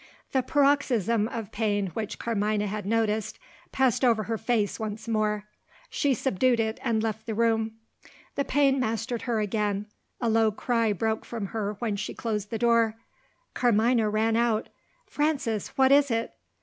The paroxysm of pain which Carmina had noticed, passed over her face once more. She subdued it, and left the room. The pain mastered her again; a low cry broke from her when she closed the door. Carmina ran out: "Frances! what is it?"